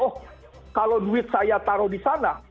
oh kalau duit saya taruh di sana